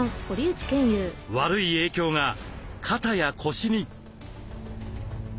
悪い影響が肩や腰に。